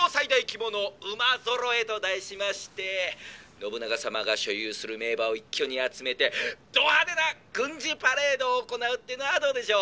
信長様が所有する名馬を一挙に集めてど派手な軍事パレードを行うっていうのはどうでしょう？」。